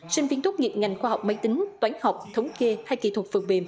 sinh viên tốt nghiệp ngành khoa học máy tính toán học thống kê hay kỹ thuật phần mềm